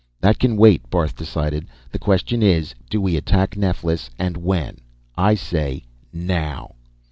"That can wait," Barth decided. "The question is, do we attack Neflis, and when? I say now!"